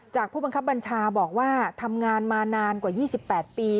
ผู้บังคับบัญชาบอกว่าทำงานมานานกว่า๒๘ปี